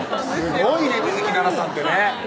すごいね水樹奈々さんってね